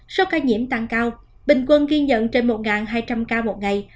số ca nhiễm tăng cao bình quân ghi nhận trên một hai trăm linh ca một ngày